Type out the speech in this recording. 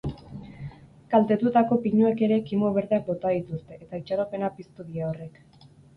Kaltetutako pinuek ere kimu berdeak bota dituzte, eta itxaropena piztu die horrek.